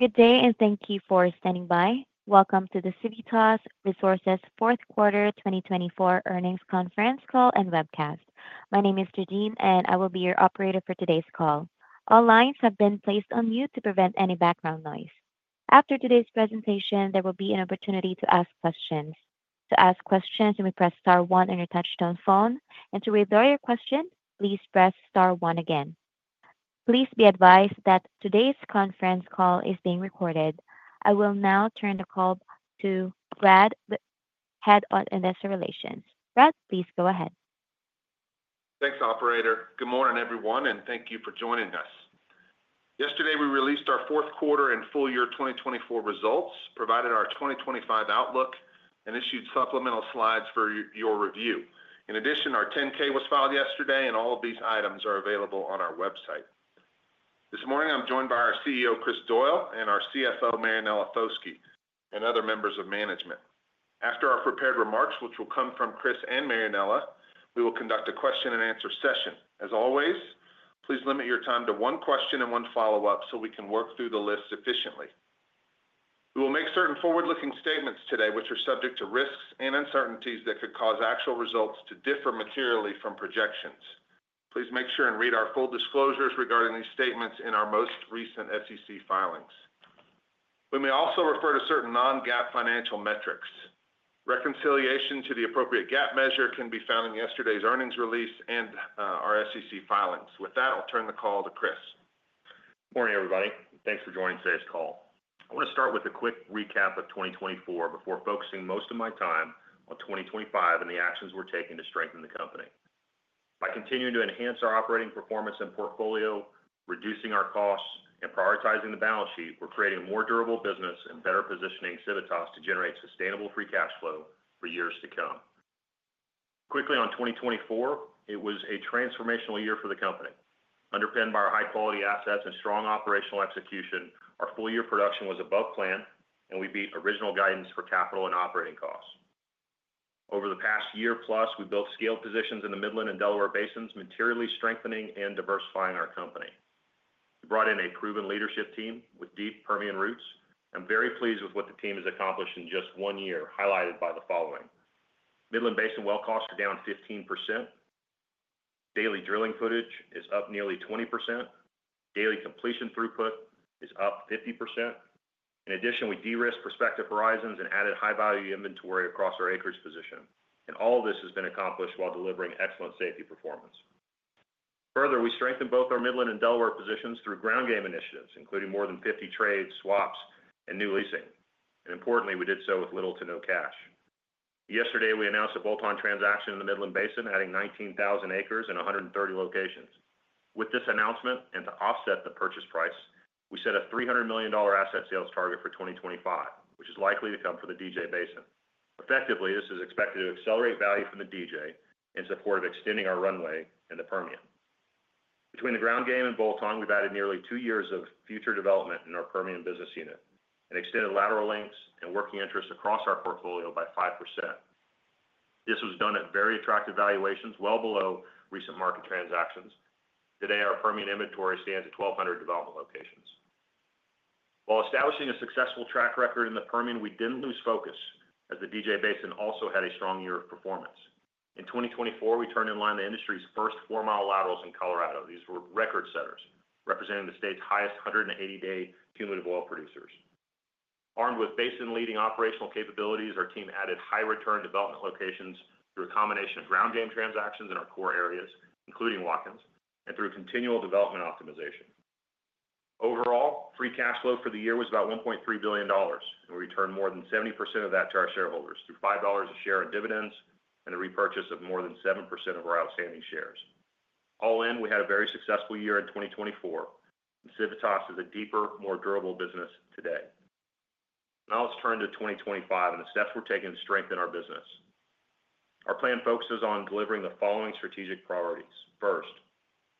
Good day, and thank you for standing by. Welcome to the Civitas Resources Fourth Quarter 2024 Earnings Conference Call and webcast. My name is Jadeen, and I will be your operator for today's call. All lines have been placed on mute to prevent any background noise. After today's presentation, there will be an opportunity to ask questions. To ask questions, you may press star one on your touch-tone phone, and to withdraw your question, please press star one again. Please be advised that today's conference call is being recorded. I will now turn the call to Brad, Head of Investor Relations. Brad, please go ahead. Thanks, Operator. Good morning, everyone, and thank you for joining us. Yesterday, we released our fourth quarter and full year 2024 results, provided our 2025 outlook, and issued supplemental slides for your review. In addition, our 10-K was filed yesterday, and all of these items are available on our website. This morning, I'm joined by our CEO, Chris Doyle, and our CFO, Marianella Foschi, and other members of management. After our prepared remarks, which will come from Chris and Marianella, we will conduct a question-and-answer session. As always, please limit your time to one question and one follow-up so we can work through the list efficiently. We will make certain forward-looking statements today, which are subject to risks and uncertainties that could cause actual results to differ materially from projections. Please make sure and read our full disclosures regarding these statements in our most recent SEC filings. We may also refer to certain non-GAAP financial metrics. Reconciliation to the appropriate GAAP measure can be found in yesterday's earnings release and our SEC filings. With that, I'll turn the call to Chris. Good morning, everybody. Thanks for joining today's call. I want to start with a quick recap of 2024 before focusing most of my time on 2025 and the actions we're taking to strengthen the company. By continuing to enhance our operating performance and portfolio, reducing our costs, and prioritizing the balance sheet, we're creating a more durable business and better-positioning Civitas to generate sustainable free cash flow for years to come. Quickly, on 2024, it was a transformational year for the company. Underpinned by our high-quality assets and strong operational execution, our full-year production was above plan, and we beat original guidance for capital and operating costs. Over the past year plus, we built scaled positions in the Midland Basin and Delaware Basin, materially strengthening and diversifying our company. We brought in a proven leadership team with deep Permian roots. I'm very pleased with what the team has accomplished in just one year, highlighted by the following: Midland Basin well costs are down 15%, daily drilling footage is up nearly 20%, daily completion throughput is up 50%. In addition, we de-risked prospective horizons and added high-value inventory across our acreage position, and all of this has been accomplished while delivering excellent safety performance. Further, we strengthened both our Midland and Delaware positions through ground game initiatives, including more than 50 trades, swaps, and new leasing, and importantly, we did so with little-to-no cash. Yesterday, we announced a bolt-on transaction in the Midland Basin, adding 19,000 acres in 130 locations. With this announcement and to offset the purchase price, we set a $300 million asset sales target for 2025, which is likely to come for the DJ Basin. Effectively, this is expected to accelerate value from the DJ in support of extending our runway in the Permian. Between the ground game and bolt-on, we've added nearly two years of future development in our Permian business unit and extended lateral lengths and working interest across our portfolio by 5%. This was done at very attractive valuations, well below recent market transactions. Today, our Permian inventory stands at 1,200 development locations. While establishing a successful track record in the Permian, we didn't lose focus as the DJ Basin also had a strong year of performance. In 2024, we turned in-line the industry's first four-mile laterals in Colorado. These were record setters, representing the state's highest 180-day cumulative oil producers. Armed with basin-leading operational capabilities, our team added high-return development locations through a combination of ground game transactions in our core areas, including Watkins, and through continual development optimization. Overall, free cash flow for the year was about $1.3 billion, and we returned more than 70% of that to our shareholders through $5 a share in dividends and a repurchase of more than 7% of our outstanding shares. All in, we had a very successful year in 2024, and Civitas is a deeper, more durable business today. Now let's turn to 2025 and the steps we're taking to strengthen our business. Our plan focuses on delivering the following strategic priorities.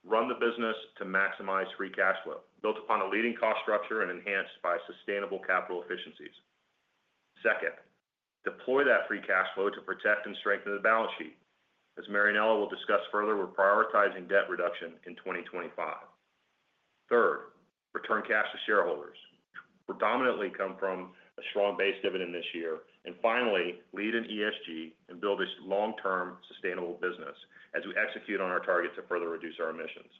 First, run the business to maximize free cash flow, built upon a leading cost structure and enhanced by sustainable capital efficiencies. Second, deploy that free cash flow to protect and strengthen the balance sheet. As Marianella will discuss further, we're prioritizing debt reduction in 2025. Third, return cash to shareholders, which predominantly come from a strong base dividend this year. Finally, lead an ESG and build a long-term sustainable business as we execute on our target to further reduce our emissions.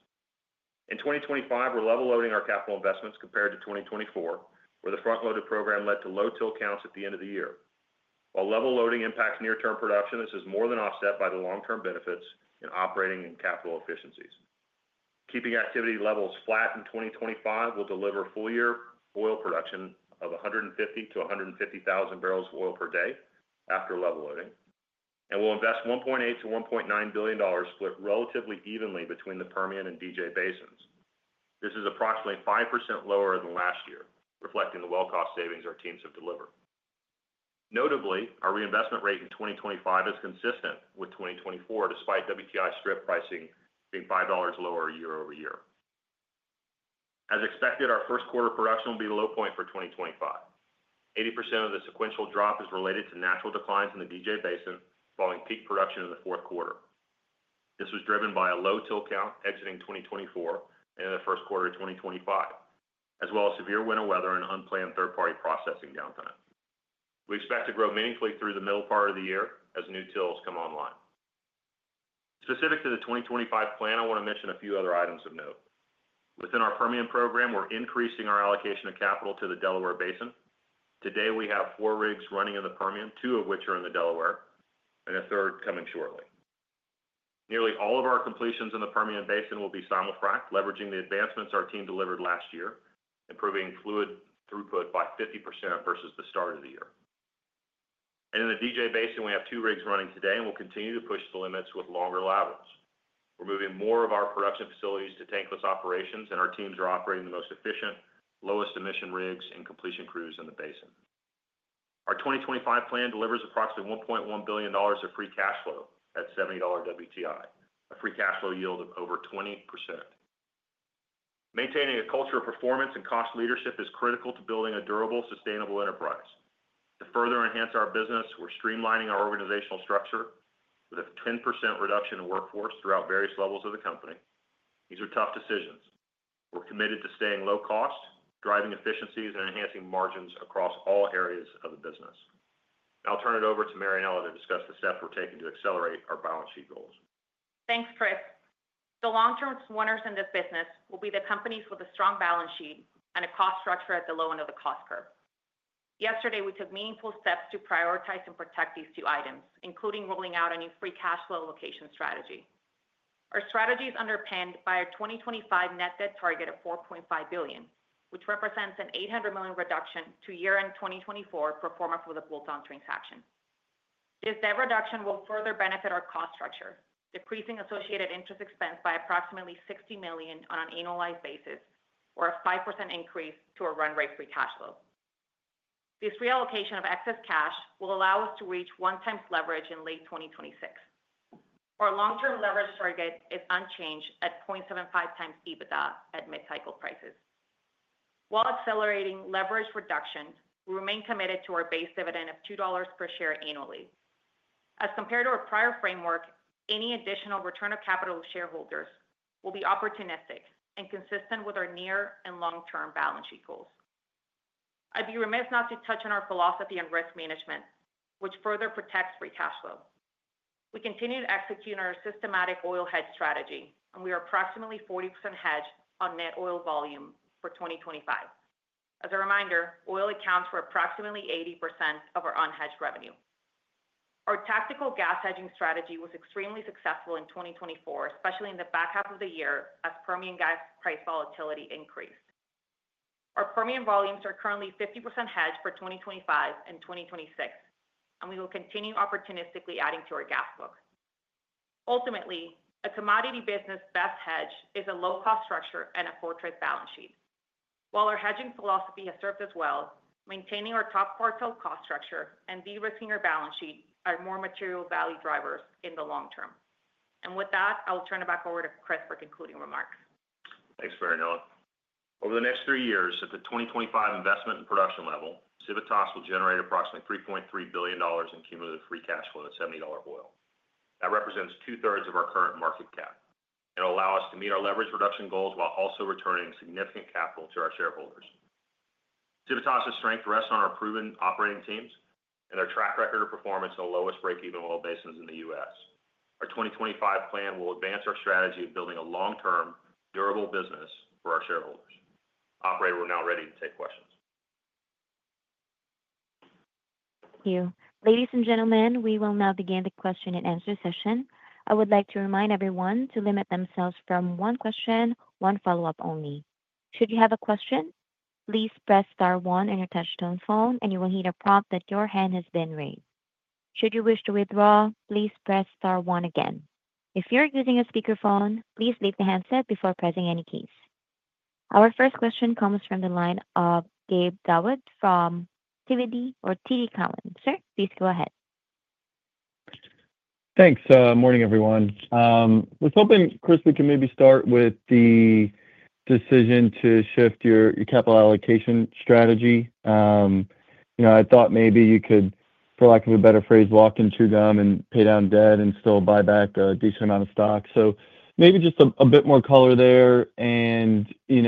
In 2025, we're level loading our capital investments compared to 2024, where the front-loaded program led to low TIL counts at the end of the year. While level loading impacts near-term production, this is more than offset by the long-term benefits in operating and capital efficiencies. Keeping activity levels flat in 2025 will deliver full-year oil production of 150,000, to 150,000 barrels of oil per day after level loading. And we'll invest $1.8 billion-$1.9 billion split relatively evenly between the Permian and DJ basins. This is approximately 5% lower than last year, reflecting the well cost savings our teams have delivered. Notably, our reinvestment rate in 2025 is consistent with 2024, despite WTI strip pricing being $5 lower year-over-year. As expected, our first quarter production will be the low point for 2025. 80% of the sequential drop is related to natural declines in the DJ Basin following peak production in the fourth quarter. This was driven by a low TIL count exiting 2024 and in the first quarter of 2025, as well as severe winter weather and unplanned third-party processing downtime. We expect to grow meaningfully through the middle part of the year as new TILs come online. Specific to the 2025 plan, I want to mention a few other items of note. Within our Permian program, we're increasing our allocation of capital to the Delaware Basin. Today, we have four rigs running in the Permian, two of which are in the Delaware, and a third coming shortly. Nearly all of our completions in the Permian Basin will be simul-frac, leveraging the advancements our team delivered last year, improving fluid throughput by 50% versus the start of the year, and in the DJ Basin, we have two rigs running today, and we'll continue to push the limits with longer laterals. We're moving more of our production facilities to tankless operations, and our teams are operating the most efficient, lowest-emission rigs and completion crews in the basin. Our 2025 plan delivers approximately $1.1 billion of free cash flow at $70 WTI, a free cash flow yield of over 20%. Maintaining a culture of performance and cost leadership is critical to building a durable, sustainable enterprise. To further enhance our business, we're streamlining our organizational structure with a 10% reduction in workforce throughout various levels of the company. These are tough decisions. We're committed to staying low-cost, driving efficiencies, and enhancing margins across all areas of the business. I'll turn it over to Marianella to discuss the steps we're taking to accelerate our balance sheet goals. Thanks, Chris. The long-term winners in this business will be the companies with a strong balance sheet and a cost structure at the low end of the cost curve. Yesterday, we took meaningful steps to prioritize and protect these two items, including rolling out a new free cash flow location strategy. Our strategy is underpinned by a 2025 net debt target of $4.5 billion, which represents an $800 million reduction to year-end 2024 pro forma for the bolt-on transaction. This debt reduction will further benefit our cost structure, decreasing associated interest expense by approximately $60 million on an annualized basis, or a 5% increase to our run rate free cash flow. This reallocation of excess cash will allow us to reach 1x leverage in late 2026. Our long-term leverage target is unchanged at 0.75x EBITDA at mid-cycle prices. While accelerating leverage reduction, we remain committed to our base dividend of $2 per share annually. As compared to our prior framework, any additional return of capital shareholders will be opportunistic and consistent with our near and long-term balance sheet goals. I'd be remiss not to touch on our philosophy on risk management, which further protects free cash flow. We continue to execute on our systematic oil hedge strategy, and we are approximately 40% hedged on net oil volume for 2025. As a reminder, oil accounts for approximately 80% of our unhedged revenue. Our tactical gas hedging strategy was extremely successful in 2024, especially in the back half of the year as Permian gas price volatility increased. Our Permian volumes are currently 50% hedged for 2025 and 2026, and we will continue opportunistically adding to our gas book. Ultimately, a commodity business best hedged is a low-cost structure and a fortress balance sheet. While our hedging philosophy has served us well, maintaining our top quartile cost structure and de-risking our balance sheet are more material value drivers in the long term. And with that, I will turn it back over to Chris for concluding remarks. Thanks, Marianella. Over the next three years, at the 2025 investment and production level, Civitas will generate approximately $3.3 billion in cumulative free cash flow at $70 oil. That represents two-thirds of our current market cap. It'll allow us to meet our leverage reduction goals while also returning significant capital to our shareholders. Civitas's strength rests on our proven operating teams and their track record of performance in the lowest break-even oil basins in the U.S. Our 2025 plan will advance our strategy of building a long-term, durable business for our shareholders. Operator, we're now ready to take questions. Thank you. Ladies and gentlemen, we will now begin the question-and-answer session. I would like to remind everyone to limit themselves from one question, one follow-up only. Should you have a question, please press star one and your touch-tone phone, and you will hear a prompt that your hand has been raised. Should you wish to withdraw, please press star one again. If you're using a speakerphone, please leave the handset before pressing any keys. Our first question comes from the line of Gabe Daoud from TD Cowen. Sir, please go ahead. Thanks. Morning, everyone. I was hoping, Chris, we can maybe start with the decision to shift your capital allocation strategy. You know, I thought maybe you could, for lack of a better phrase, walk us through them and pay down debt and still buy back a decent amount of stock, so maybe just a bit more color there, and you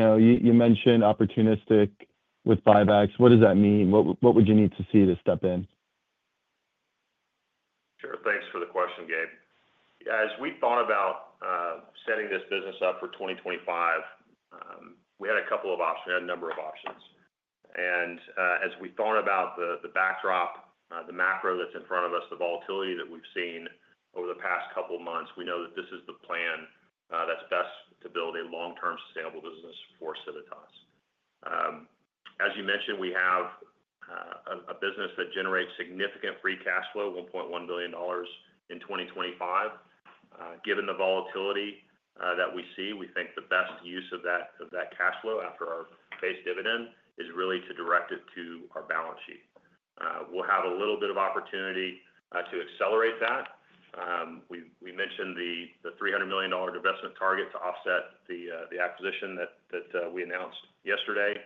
mentioned opportunistic with buybacks. What does that mean? What would you need to see to step in? Sure. Thanks for the question, Gabe. As we thought about setting this business up for 2025, we had a couple of options. We had a number of options, and as we thought about the backdrop, the macro that's in front of us, the volatility that we've seen over the past couple of months, we know that this is the plan that's best to build a long-term sustainable business for Civitas. As you mentioned, we have a business that generates significant free cash flow, $1.1 billion in 2025. Given the volatility that we see, we think the best use of that cash flow after our base dividend is really to direct it to our balance sheet. We'll have a little bit of opportunity to accelerate that. We mentioned the $300 million divestment target to offset the acquisition that we announced yesterday.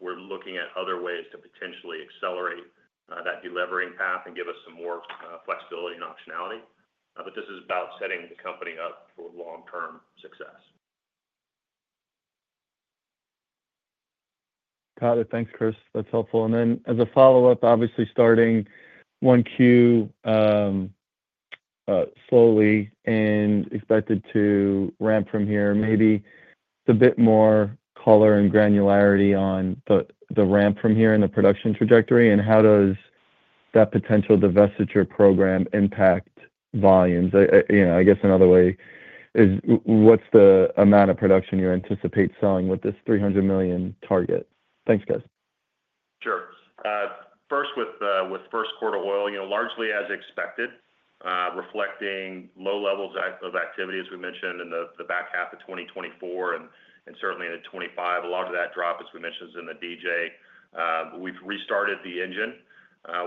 We're looking at other ways to potentially accelerate that delivering path and give us some more flexibility and optionality. But this is about setting the company up for long-term success. Got it. Thanks, Chris. That's helpful. And then as a follow-up, obviously starting one Q slowly and expected to ramp from here, maybe a bit more color and granularity on the ramp from here in the production trajectory. And how does that potential divestiture program impact volumes? You know, I guess another way is what's the amount of production you anticipate selling with this $300 million target? Thanks, guys. Sure. First, with first quarter oil, you know, largely as expected, reflecting low levels of activity as we mentioned in the back half of 2024 and certainly in 2025. A lot of that drop, as we mentioned, is in the DJ. We've restarted the engine.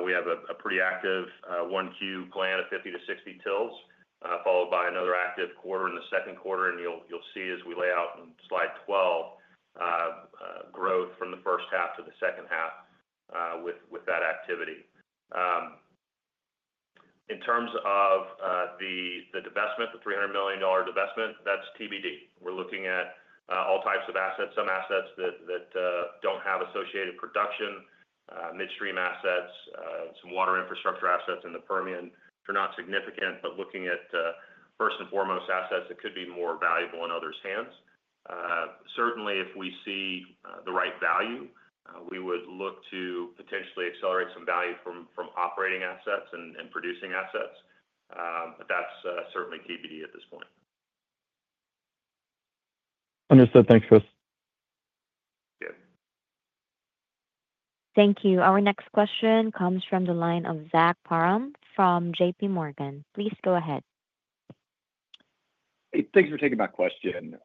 We have a pretty active 1Q plan of 50-60 TILs, followed by another active quarter in the second quarter. And you'll see as we lay out in slide 12 growth from the first half to the second half with that activity. In terms of the divestment, the $300 million divestment, that's TBD. We're looking at all types of assets, some assets that don't have associated production, midstream assets, some water infrastructure assets in the Permian. They're not significant, but looking at first and foremost assets that could be more valuable in others' hands. Certainly, if we see the right value, we would look to potentially accelerate some value from operating assets and producing assets, but that's certainly TBD at this point. Understood. Thanks, Chris. Thank you. Our next question comes from the line of Zach Parham from JPMorgan. Please go ahead. Hey, thanks for taking my question.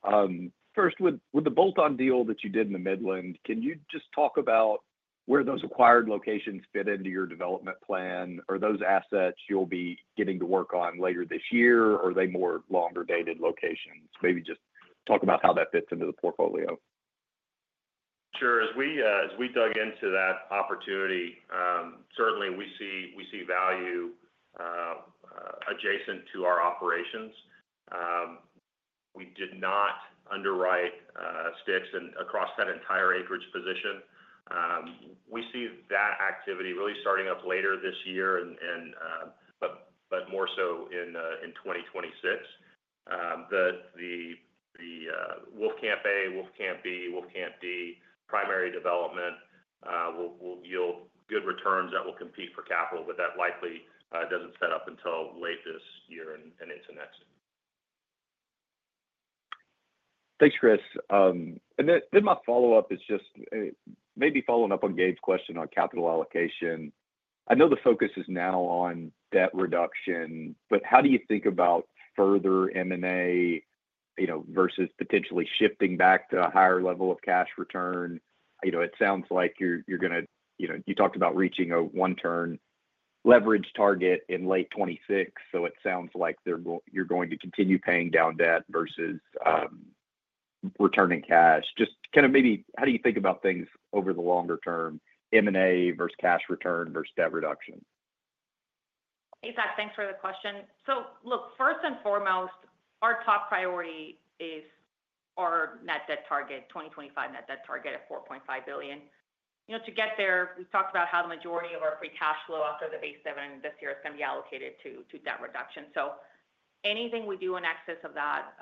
First, with the bolt-on deal that you did in the Midland, can you just talk about where those acquired locations fit into your development plan? Are those assets you'll be getting to work on later this year, or are they more longer-dated locations? Maybe just talk about how that fits into the portfolio. Sure. As we dug into that opportunity, certainly we see value adjacent to our operations. We did not underwrite sticks across that entire acreage position. We see that activity really starting up later this year, but more so in 2026. The Wolfcamp A, Wolfcamp B, Wolfcamp D primary development will yield good returns that will compete for capital, but that likely doesn't set up until late this year and into next. Thanks, Chris. Then my follow-up is just maybe following up on Gabe's question on capital allocation. I know the focus is now on debt reduction, but how do you think about further M&A versus potentially shifting back to a higher level of cash return? You know, it sounds like you're going to, you know, you talked about reaching a one-turn leverage target in late 2026, so it sounds like you're going to continue paying down debt versus returning cash. Just kind of maybe how do you think about things over the longer term, M&A versus cash return versus debt reduction? Hey, Zach, thanks for the question, so look, first and foremost, our top priority is our net debt target, 2025 net debt target at $4.5 billion. You know, to get there, we talked about how the majority of our free cash flow after the base dividend this year is going to be allocated to debt reduction, so anything we do in excess of that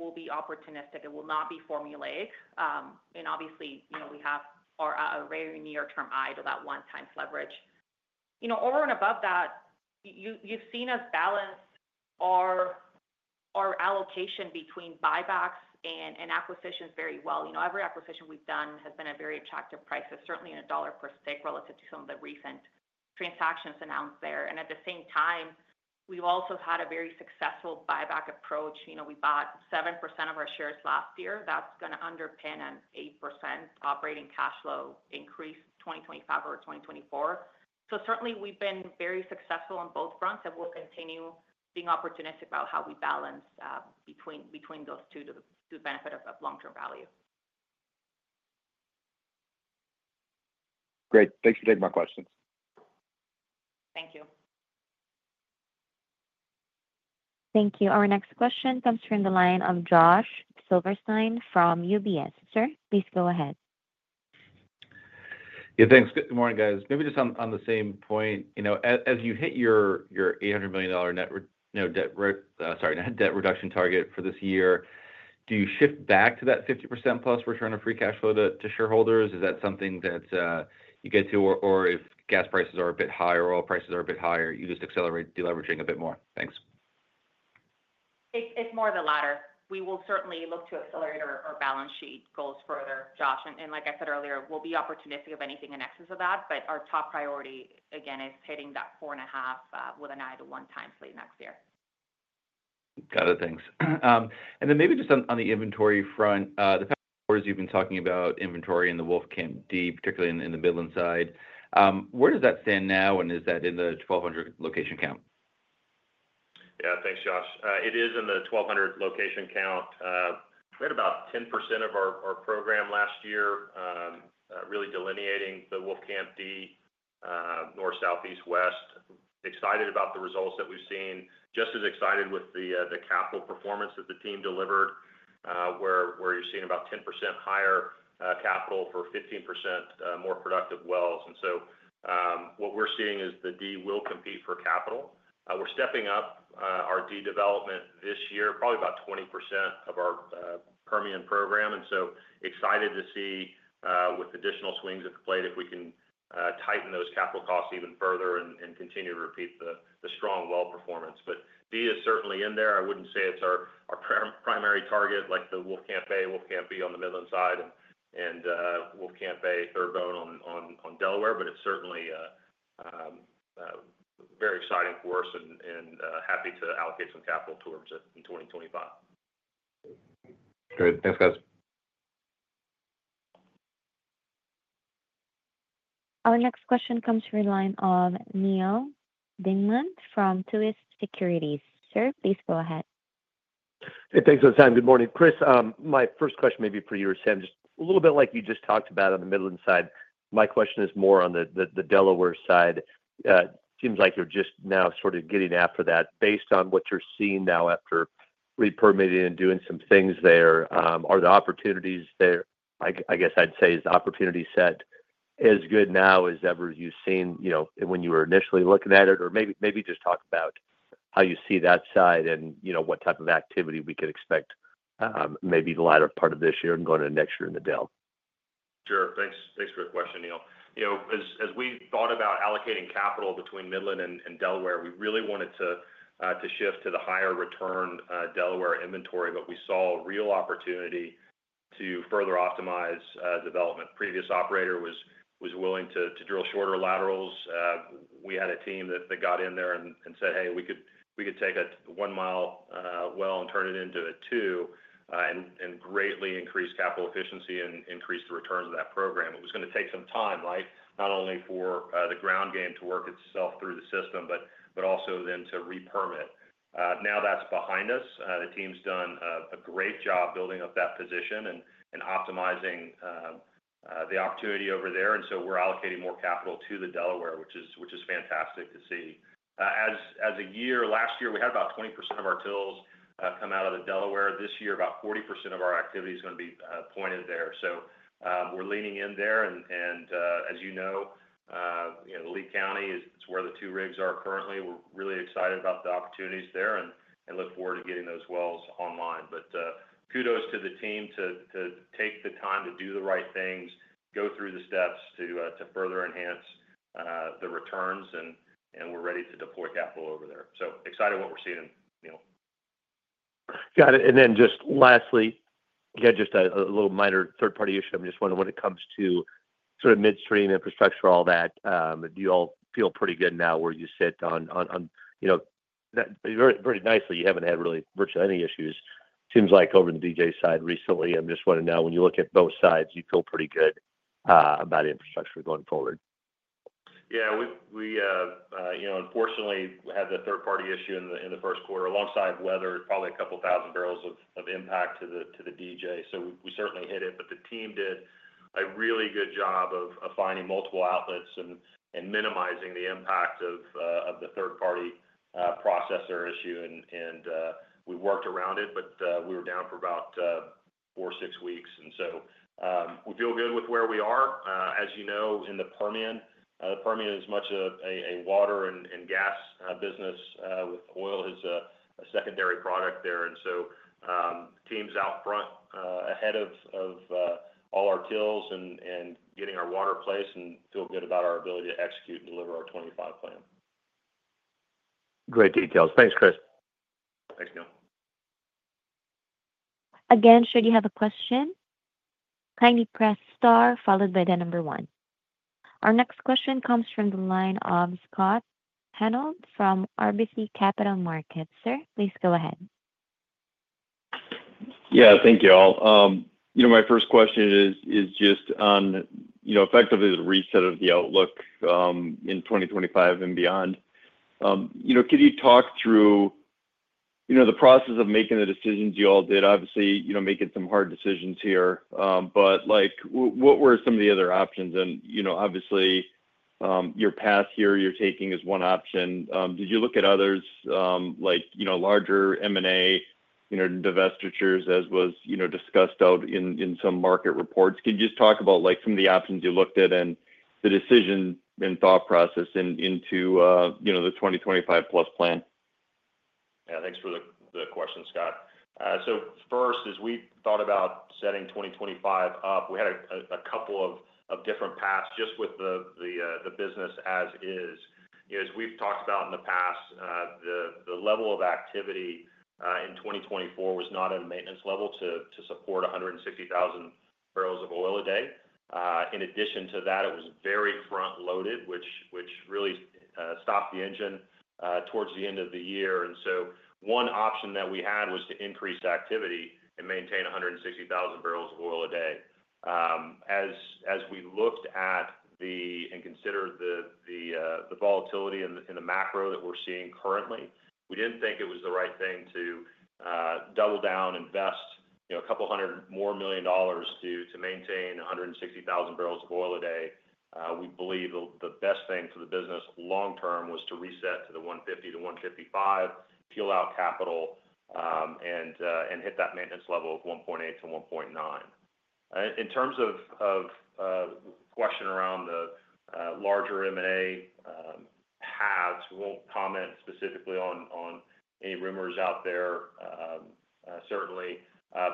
will be opportunistic. It will not be formulaic, and obviously, you know, we have our very near-term idle, that 1x leverage. You know, over and above that, you've seen us balance our allocation between buybacks and acquisitions very well. You know, every acquisition we've done has been at very attractive prices, certainly at a dollar per stick relative to some of the recent transactions announced there, and at the same time, we've also had a very successful buyback approach. You know, we bought 7% of our shares last year. That's going to underpin an 8% operating cash flow increase 2025 or 2024. So certainly, we've been very successful on both fronts and will continue being opportunistic about how we balance between those two to the benefit of long-term value. Great. Thanks for taking my questions. Thank you. Thank you. Our next question comes from the line of Josh Silverstein from UBS. Sir, please go ahead. Yeah, thanks. Good morning, guys. Maybe just on the same point, you know, as you hit your $800 million net debt reduction target for this year, do you shift back to that 50% plus return of free cash flow to shareholders? Is that something that you get to, or if gas prices are a bit higher, oil prices are a bit higher, you just accelerate deleveraging a bit more? Thanks. It's more of the latter. We will certainly look to accelerate our balance sheet goals further, Josh, and like I said earlier, we'll be opportunistic of anything in excess of that, but our top priority, again, is hitting that four and a half with an eye 1x late next year. Got it. Thanks. And then maybe just on the inventory front, the past few hours you've been talking about inventory in the Wolfcamp D, particularly in the Midland side. Where does that stand now, and is that in the 1,200 location count? Yeah, thanks, Josh. It is in the 1200 location count. We had about 10% of our program last year, really delineating the Wolfcamp D, north, south, east, west. Excited about the results that we've seen. Just as excited with the capital performance that the team delivered, where you're seeing about 10% higher capital for 15% more productive wells. And so what we're seeing is the D will compete for capital. We're stepping up our D development this year, probably about 20% of our Permian program. And so excited to see with additional swings at the plate if we can tighten those capital costs even further and continue to repeat the strong well performance. But D is certainly in there. I wouldn't say it's our primary target, like the Wolfcamp A, Wolfcamp B on the Midland side, and Wolfcamp A, Third Bone on Delaware. But it's certainly very exciting for us and happy to allocate some capital towards it in 2025. Great. Thanks, guys. Our next question comes from the line of Neal Dingmann from Truist Securities. Sir, please go ahead. Hey, thanks for the time. Good morning, Chris. My first question may be for you. Just a little bit like you just talked about on the Midland side. My question is more on the Delaware side. Seems like you're just now sort of getting after that. Based on what you're seeing now after re-permitting and doing some things there, are the opportunities there? I guess I'd say, is the opportunity set as good now as ever you've seen, you know, when you were initially looking at it? Or maybe just talk about how you see that side and, you know, what type of activity we could expect maybe the latter part of this year and going into next year in the Del. Sure. Thanks for the question, Neal. You know, as we thought about allocating capital between Midland and Delaware, we really wanted to shift to the higher return Delaware inventory, but we saw real opportunity to further optimize development. Previous operator was willing to drill shorter laterals. We had a team that got in there and said, "Hey, we could take a one-mile well and turn it into a two-mile and greatly increase capital efficiency and increase the returns of that program." It was going to take some time, right? Not only for the ground game to work itself through the system, but also then to re-permit. Now that's behind us. The team's done a great job building up that position and optimizing the opportunity over there, and so we're allocating more capital to the Delaware, which is fantastic to see. Last year, we had about 20% of our TILs come out of the Delaware. This year, about 40% of our activity is going to be pointed there. We're leaning in there. And as you know, you know, Lea County, it's where the two rigs are currently. We're really excited about the opportunities there and look forward to getting those wells online. Kudos to the team to take the time to do the right things, go through the steps to further enhance the returns, and we're ready to deploy capital over there. Excited about what we're seeing. Got it. Then just lastly, yeah, just a little minor third-party issue. I'm just wondering, when it comes to sort of midstream infrastructure, all that, do you all feel pretty good now where you sit on, you know, very nicely? You haven't had really virtually any issues. Seems like over in the DJ side recently. I'm just wondering now when you look at both sides, you feel pretty good about infrastructure going forward. Yeah, we, you know, unfortunately, had the third-party issue in the first quarter alongside weather, probably a couple thousand barrels of impact to the DJ. So we certainly hit it, but the team did a really good job of finding multiple outlets and minimizing the impact of the third-party processor issue. And we worked around it, but we were down for about four, six weeks. And so we feel good with where we are. As you know, in the Permian, the Permian is much a water and gas business with oil as a secondary product there. And so teams out front ahead of all our TILs and getting our water placed and feel good about our ability to execute and deliver our 2025 plan. Great details. Thanks, Chris. Thanks, Neal. Again, should you have a question, then press star followed by the number one. Our next question comes from the line of Scott Hanold from RBC Capital Markets. Sir, please go ahead. Yeah, thank you all. You know, my first question is just on, you know, effectively the reset of the outlook in 2025 and beyond. You know, could you talk through, you know, the process of making the decisions you all did? Obviously, you know, making some hard decisions here, but like what were some of the other options? And, you know, obviously, your path here you're taking is one option. Did you look at others like, you know, larger M&A, you know, divestitures as was, you know, discussed out in some market reports? Can you just talk about like some of the options you looked at and the decision and thought process into, you know, the 2025 plus plan? Yeah, thanks for the question, Scott. So first, as we thought about setting 2025 up, we had a couple of different paths just with the business as is. You know, as we've talked about in the past, the level of activity in 2024 was not at a maintenance level to support 160,000 barrels of oil a day. In addition to that, it was very front-loaded, which really stopped the engine towards the end of the year. And so one option that we had was to increase activity and maintain 160,000 barrels of oil a day. As we looked at and considered the volatility in the macro that we're seeing currently, we didn't think it was the right thing to double down, invest, you know, a couple hundred more million dollars to maintain 160,000 barrels of oil a day. We believe the best thing for the business long-term was to reset to the $150 million-$155 million, peel out capital, and hit that maintenance level of $1.8 billion-$1.9 billion. In terms of question around the larger M&A deals, we won't comment specifically on any rumors out there, certainly.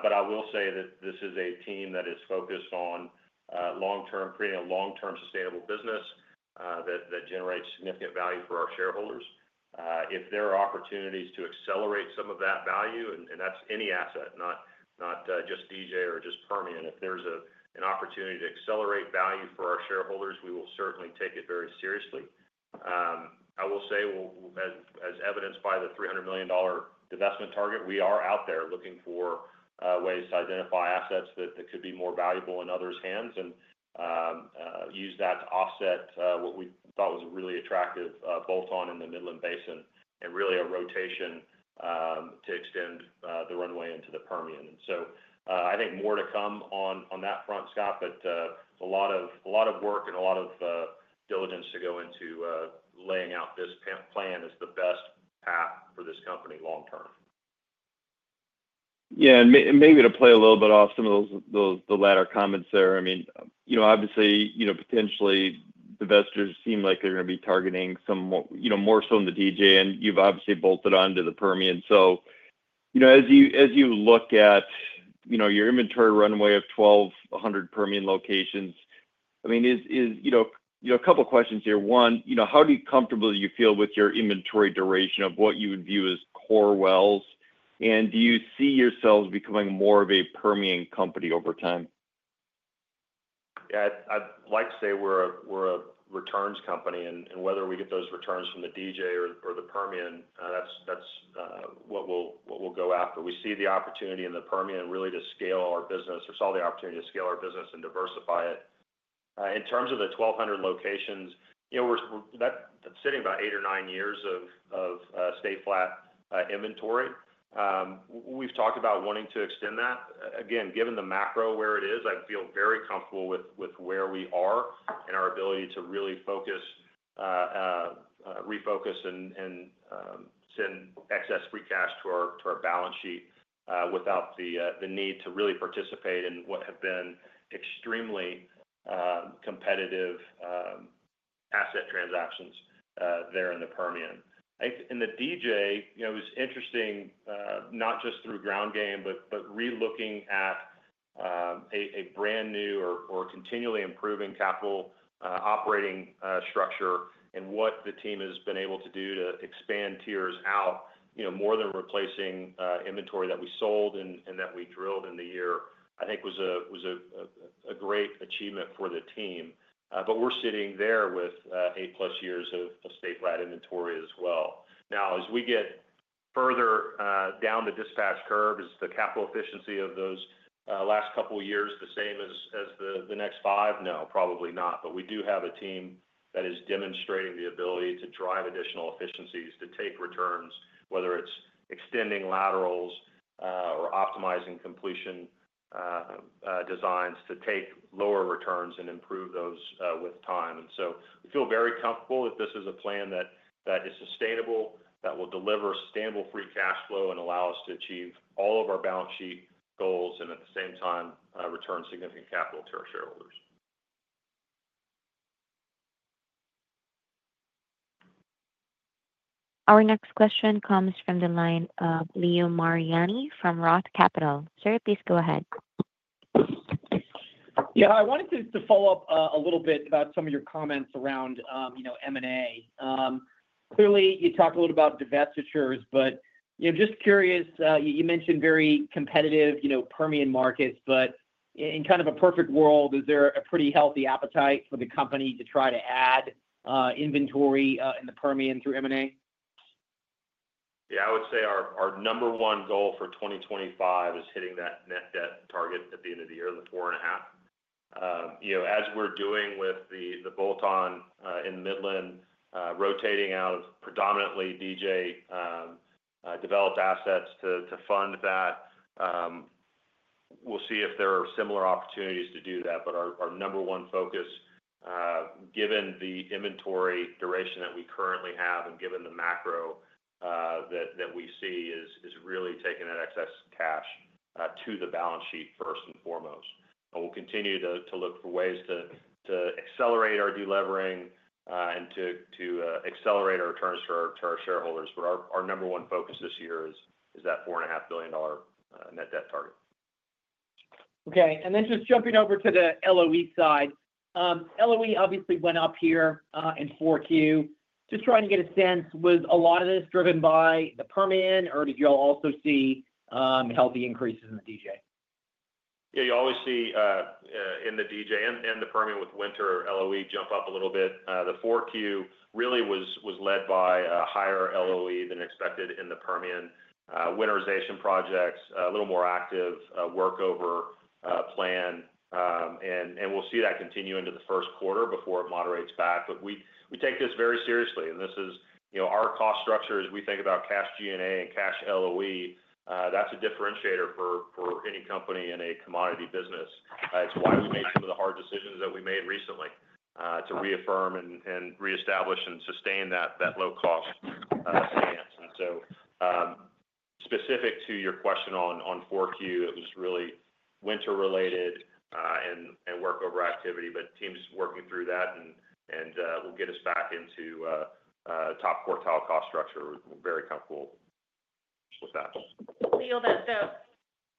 But I will say that this is a team that is focused on long-term creating a long-term sustainable business that generates significant value for our shareholders. If there are opportunities to accelerate some of that value, and that's any asset, not just DJ or just Permian, if there's an opportunity to accelerate value for our shareholders, we will certainly take it very seriously. I will say, as evidenced by the $300 million divestment target, we are out there looking for ways to identify assets that could be more valuable in others' hands and use that to offset what we thought was a really attractive bolt-on in the Midland Basin and really a rotation to extend the runway into the Permian, and so I think more to come on that front, Scott, but a lot of work and a lot of diligence to go into laying out this plan is the best path for this company long-term. Yeah, and maybe to play a little bit off some of the latter comments there, I mean, you know, obviously, you know, potential divestitures seem like they're going to be targeting some, you know, more so in the DJ, and you've obviously bolted on to the Permian. So, you know, as you look at, you know, your inventory runway of 1,200 Permian locations, I mean, is, you know, a couple of questions here. One, you know, how comfortable do you feel with your inventory duration of what you would view as core wells? And do you see yourselves becoming more of a Permian company over time? Yeah, I'd like to say we're a returns company. And whether we get those returns from the DJ or the Permian, that's what we'll go after. We see the opportunity in the Permian really to scale our business or saw the opportunity to scale our business and diversify it. In terms of the 1,200 locations, you know, we're sitting about eight or nine years of stay-flat inventory. We've talked about wanting to extend that. Again, given the macro where it is, I feel very comfortable with where we are and our ability to really focus, refocus, and send excess free cash to our balance sheet without the need to really participate in what have been extremely competitive asset transactions there in the Permian. In the DJ, you know, it was interesting, not just through ground game, but relooking at a brand new or continually improving capital operating structure and what the team has been able to do to expand tiers out, you know, more than replacing inventory that we sold and that we drilled in the year. I think was a great achievement for the team. But we're sitting there with eight plus years of stay-flat inventory as well. Now, as we get further down the dispatch curve, is the capital efficiency of those last couple of years the same as the next five? No, probably not. But we do have a team that is demonstrating the ability to drive additional efficiencies to take returns, whether it's extending laterals or optimizing completion designs to take lower returns and improve those with time, and so we feel very comfortable that this is a plan that is sustainable, that will deliver sustainable free cash flow and allow us to achieve all of our balance sheet goals and at the same time return significant capital to our shareholders. Our next question comes from the line of Leo Mariani from Roth Capital. Sir, please go ahead. Yeah, I wanted to follow up a little bit about some of your comments around, you know, M&A. Clearly, you talked a little about divestitures, but, you know, just curious, you mentioned very competitive, you know, Permian markets, but in kind of a perfect world, is there a pretty healthy appetite for the company to try to add inventory in the Permian through M&A? Yeah, I would say our number one goal for 2025 is hitting that net debt target at the end of the year, the four and a half. You know, as we're doing with the bolt-on in Midland, rotating out of predominantly DJ developed assets to fund that, we'll see if there are similar opportunities to do that. But our number one focus, given the inventory duration that we currently have and given the macro that we see, is really taking that excess cash to the balance sheet first and foremost. And we'll continue to look for ways to accelerate our delevering and to accelerate our returns to our shareholders. But our number one focus this year is that $4.5 billion net debt target. Okay, and then just jumping over to the LOE side. LOE obviously went up here in 4Q. Just trying to get a sense, was a lot of this driven by the Permian, or did you all also see healthy increases in the DJ? Yeah, you always see in the DJ and the Permian with winter LOE jump up a little bit. The 4Q really was led by a higher LOE than expected in the Permian. Winterization projects, a little more active workover plan, and we'll see that continue into the first quarter before it moderates back, but we take this very seriously, and this is, you know, our cost structure as we think about cash G&A and cash LOE. That's a differentiator for any company in a commodity business. It's why we made some of the hard decisions that we made recently to reaffirm and reestablish and sustain that low-cost stance, and so specific to your question on 4Q, it was really winter-related and workover activity, but teams working through that and will get us back into top quartile cost structure. We're very comfortable with that. I feel that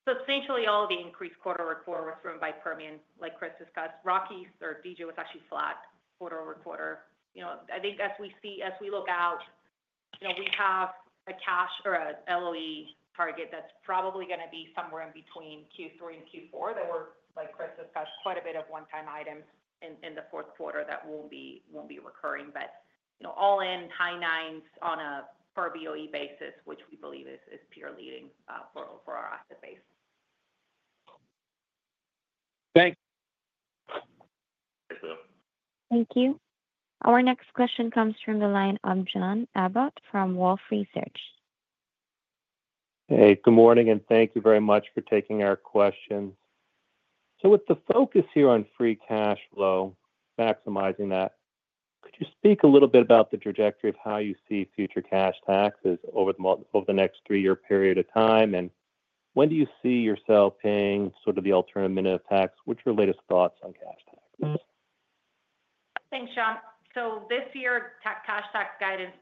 substantially all the increased quarter-over-quarter was driven by Permian, like Chris discussed. Rockies or DJ was actually flat quarter-over-quarter. You know, I think as we see, as we look out, you know, we have a cash or an LOE target that's probably going to be somewhere in between Q3 and Q4 that we're, like Chris discussed, quite a bit of one-time items in the fourth quarter that won't be recurring. But, you know, all in high nines on a per BOE basis, which we believe is peer-leading for our asset base. Thanks. Thank you. Thank you. Our next question comes from the line of John Abbott from Wolfe Research. Hey, good morning, and thank you very much for taking our questions. So with the focus here on free cash flow, maximizing that, could you speak a little bit about the trajectory of how you see future cash taxes over the next three-year period of time? And when do you see yourself paying sort of the alternative tax? What's your latest thoughts on cash taxes? Thanks, John. So this year, cash tax guidance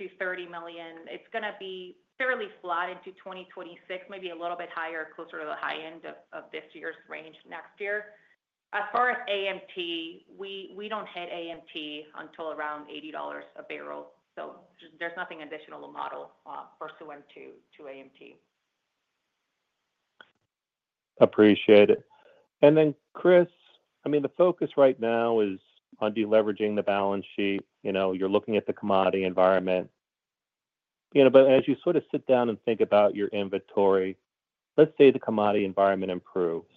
is $10 million-$30 million. It's going to be fairly flat into 2026, maybe a little bit higher, closer to the high end of this year's range next year. As far as AMT, we don't hit AMT until around $80 a barrel. So there's nothing additional to model pursuant to AMT. Appreciate it, and then, Chris, I mean, the focus right now is on deleveraging the balance sheet. You know, you're looking at the commodity environment. You know, but as you sort of sit down and think about your inventory, let's say the commodity environment improves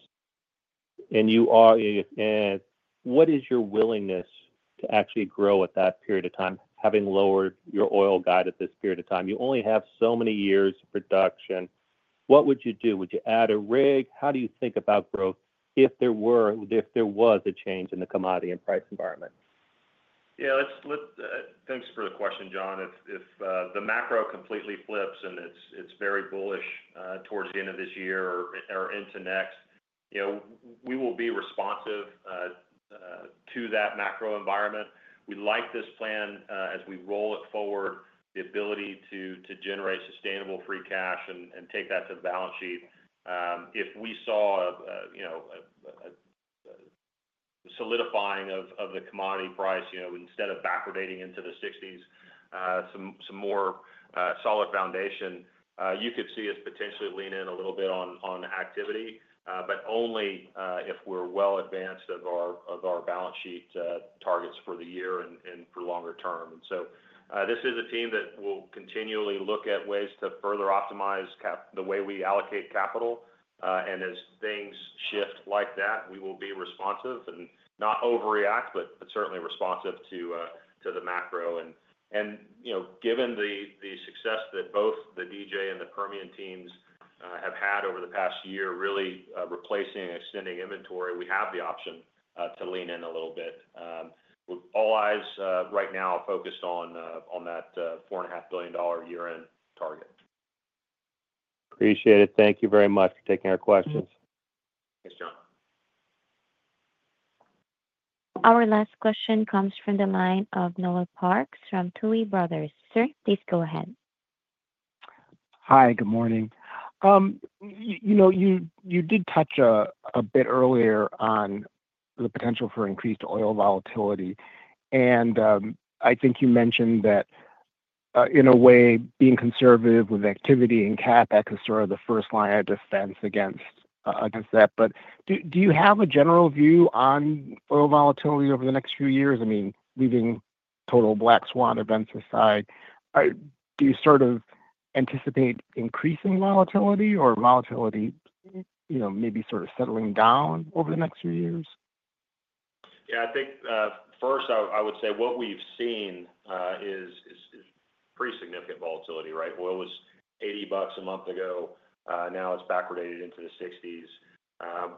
and you are in it, what is your willingness to actually grow at that period of time, having lowered your oil guide at this period of time? You only have so many years of production. What would you do? Would you add a rig? How do you think about growth if there were, if there was a change in the commodity and price environment? Yeah, thanks for the question, John. If the macro completely flips and it's very bullish towards the end of this year or into next, you know, we will be responsive to that macro environment. We like this plan as we roll it forward, the ability to generate sustainable free cash and take that to the balance sheet. If we saw, you know, a solidifying of the commodity price, you know, instead of backwardating into the 60s, some more solid foundation, you could see us potentially lean in a little bit on activity, but only if we're well advanced of our balance sheet targets for the year and for longer term. And so this is a team that will continually look at ways to further optimize the way we allocate capital. And as things shift like that, we will be responsive and not overreact, but certainly responsive to the macro. You know, given the success that both the DJ and the Permian teams have had over the past year, really replacing and extending inventory, we have the option to lean in a little bit. All eyes right now focused on that $4.5 billion year-end target. Appreciate it. Thank you very much for taking our questions. Thanks, John. Our last question comes from the line of Noel Parks from Tuohy Brothers. Sir, please go ahead. Hi, good morning. You know, you did touch a bit earlier on the potential for increased oil volatility. And I think you mentioned that in a way, being conservative with activity and CapEx is sort of the first line of defense against that. But do you have a general view on oil volatility over the next few years? I mean, leaving total black swan events aside, do you sort of anticipate increasing volatility or volatility, you know, maybe sort of settling down over the next few years? Yeah, I think first I would say what we've seen is pretty significant volatility, right? Oil was $80 a month ago. Now it's backwardated into the $60s.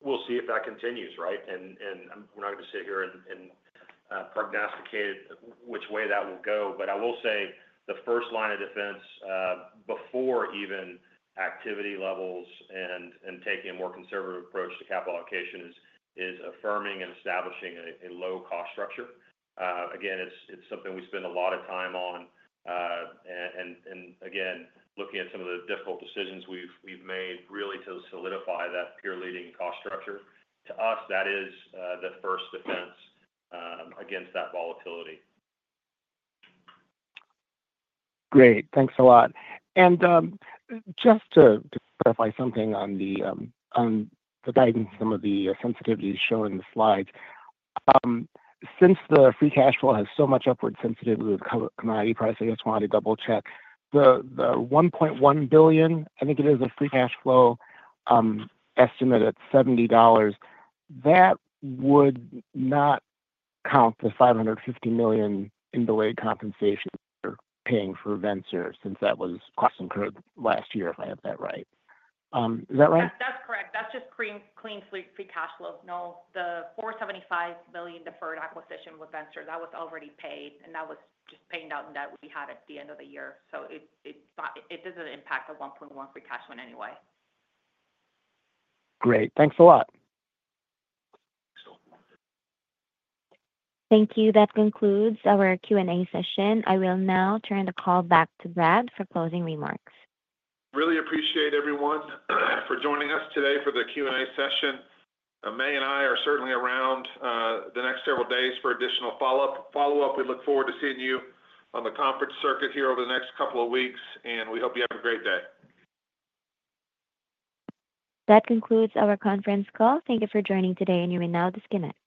We'll see if that continues, right? And we're not going to sit here and prognosticate which way that will go. But I will say the first line of defense before even activity levels and taking a more conservative approach to capital allocation is affirming and establishing a low-cost structure. Again, it's something we spend a lot of time on. And again, looking at some of the difficult decisions we've made really to solidify that peer-leading cost structure, to us, that is the first defense against that volatility. Great. Thanks a lot. And just to clarify something on the guidance, some of the sensitivities shown in the slides. Since the free cash flow has so much upward sensitivity with commodity pricing, I just wanted to double-check. The $1.1 billion, I think it is a free cash flow estimate at $70, that would not count the $550 million in delayed compensation you're paying for Vencer since that was cost incurred last year, if I have that right. Is that right? That's correct. That's just clean free cash flow. No, the $475 million deferred acquisition with Vencer, that was already paid. And that was just paid out that we had at the end of the year. So it doesn't impact the $1.1 billion free cash flow in any way. Great. Thanks a lot. Thank you. That concludes our Q&A session. I will now turn the call back to Brad for closing remarks. Really appreciate everyone for joining us today for the Q&A session. May and I are certainly around the next several days for additional follow-up. We look forward to seeing you on the conference circuit here over the next couple of weeks, and we hope you have a great day. That concludes our conference call. Thank you for joining today, and you may now disconnect.